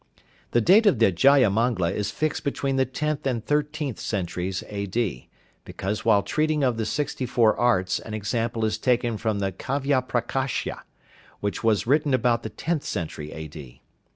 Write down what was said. The date of the 'Jayamangla' is fixed between the tenth and thirteenth centuries A.D., because while treating of the sixty four arts an example is taken from the 'Kávyaprakásha,' which was written about the tenth century A.D.